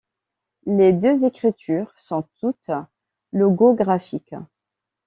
Les deux écritures sont toutes logographiques.